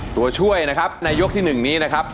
ตัวช่วยนะครับในยกที่๑นี้นะครับ